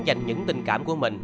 dành những tình cảm của mình